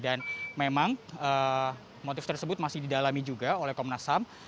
dan memang motif tersebut masih didalami juga oleh komnas ham